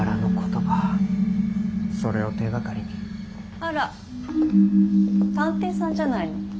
あら探偵さんじゃないの。